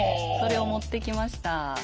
それを持ってきました。